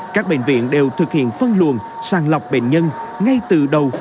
các bệnh viện đều thực hiện phân luồn sàng lọc bệnh nhân ngay từ đầu